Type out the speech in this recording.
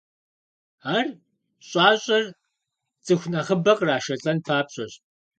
Ар щӀащӀэр цӀыху нэхъыбэ кърашалӀэн папщӏэщ.